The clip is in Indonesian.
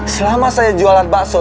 selama saya jualan bakso